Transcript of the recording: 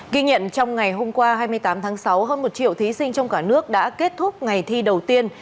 ghi nhận trong ngày hôm qua hai mươi tám tháng sáu hơn một triệu thí sinh trong cả nước đã kết thúc ngày thi đầu tiên